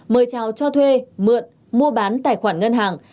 mời chào cho thuê mượn mua bán tài khoản ngân hàng